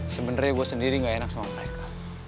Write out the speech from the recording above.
sebenarnya gue sendiri gak enak sama mereka